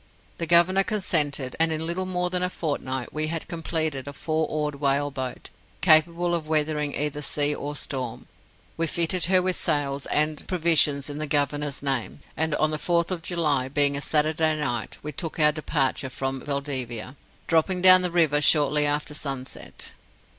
The Governor consented, and in a little more than a fortnight we had completed a four oared whale boat, capable of weathering either sea or storm. We fitted her with sails and provisions in the Governor's name, and on the 4th of July, being a Saturday night, we took our departure from Valdivia, dropping down the river shortly after sunset.